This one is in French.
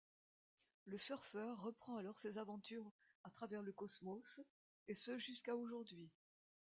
Le Surfer reprend alors ses aventures à travers le cosmos, et ce jusqu'à aujourd'hui.